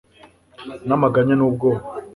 n'amaganya n'ubwoba